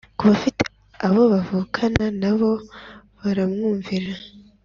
Ku bafite abo bavukana na bo baramwumvira